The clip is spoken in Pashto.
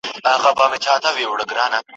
اتفاق ورسره نسته د خوشحال خټک کلام دی